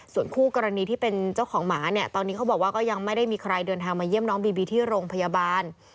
ส่วนคู่กรณีที่เป็นเจ้าของหมาเนี่ยตอนนี้เขาบอกว่าก็ยังไม่ได้มีใครเดินทางมาเยี่ยมน้องบีบีที่โรงพยาบาล